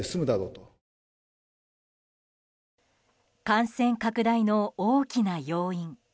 感染拡大の大きな要因。